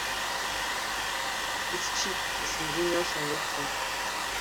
It's cheap, disingenuous and loathsome.